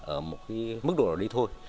ở một mức độ nào đó đi thôi